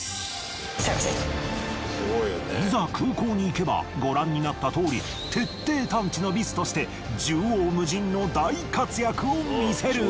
いざ空港に行けばご覧になったとおり徹底探知のビスとして縦横無尽の大活躍を見せる。